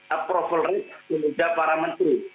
approval rate kepada para menteri